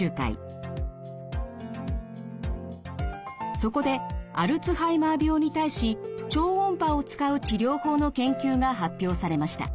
そこでアルツハイマー病に対し超音波を使う治療法の研究が発表されました。